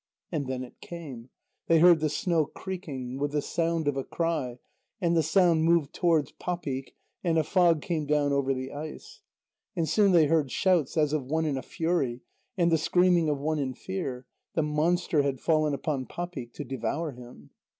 And then it came. They heard the snow creaking, with the sound of a cry, and the sound moved towards Papik, and a fog came down over the ice. And soon they heard shouts as of one in a fury, and the screaming of one in fear; the monster had fallen upon Papik, to devour him.